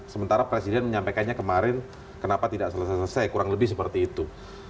sementara presiden menyampaikannya kemarin kenapa tidak selesai selesai kurang lebih seperti itu